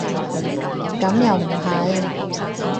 咁又唔係